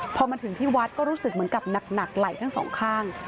พอมาถึงที่วัดก็รู้สึกเหมือนกับหนักไหลทั้งสองข้าง